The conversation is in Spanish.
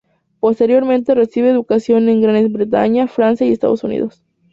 Posteriormente recibe educación en Gran Bretaña, Francia y Estados Unidos.